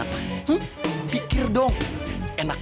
supaya kamu bisa mengin cosok